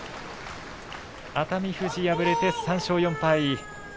熱海富士、敗れて３勝４敗。